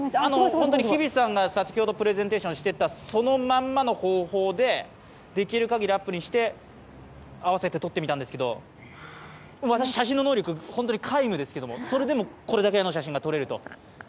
日比さんが先ほどプレゼンテーションしていたそのままの方法でできる限りアップにしてあわせて撮ってみたんですが私、写真の能力、皆無ですけど、それでもこれだけの写真が撮れると。